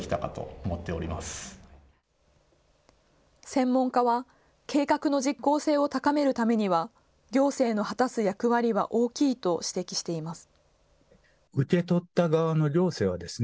専門家は計画の実効性を高めるためには行政の果たす役割は大きいと指摘しています。